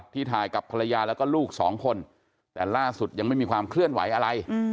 ถ่ายกับภรรยาแล้วก็ลูกสองคนแต่ล่าสุดยังไม่มีความเคลื่อนไหวอะไร